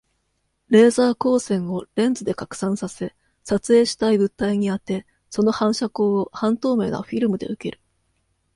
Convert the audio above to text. レーザー光線を、レンズで拡散させ、撮影したい物体に当て、その反射光を、半透明なフィルムで受ける。